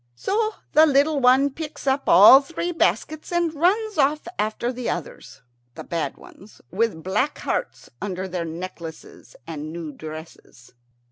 So the little one picks up all three baskets and runs off after the others, the bad ones, with black hearts under their necklaces and new dresses.